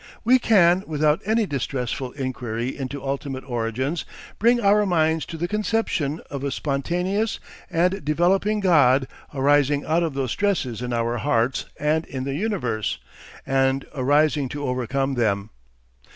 We can, without any distressful inquiry into ultimate origins, bring our minds to the conception of a spontaneous and developing God arising out of those stresses in our hearts and in the universe, and arising to overcome them.